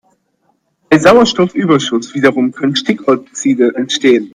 Bei Sauerstoffüberschuss wiederum können Stickoxide entstehen.